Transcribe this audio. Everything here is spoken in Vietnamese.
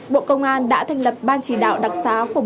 bộ công an đã thành lập ban chỉ đạo đặc sá của bộ công an